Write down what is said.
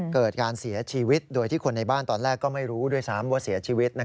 เกิดการเสียชีวิตโดยที่คนในบ้านตอนแรกก็ไม่รู้ด้วยซ้ำว่าเสียชีวิต